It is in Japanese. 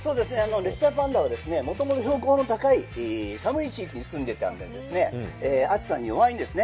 レッサーパンダはもともと標高の高い寒い地域に住んでいたので暑さに弱いんです。